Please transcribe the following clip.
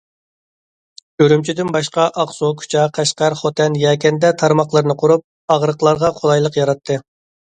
ئۈرۈمچىدىن باشقا، ئاقسۇ، كۇچا، قەشقەر، خوتەن، يەكەندە تارماقلىرىنى قۇرۇپ، ئاغرىقلارغا قولايلىق ياراتتى.